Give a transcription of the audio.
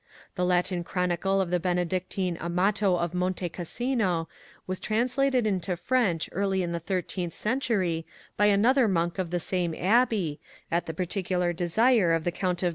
The Latin chronicle of the Benedictine Amato of Monte Cassino was translated into French early in the 13th century by another monk of the same abbey, at the particular desire of the Count of.